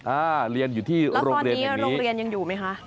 อ่าเรียนอยู่ที่โรงเรียนอย่างนี้แล้วตอนนี้โรงเรียนยังอยู่ไหมคะ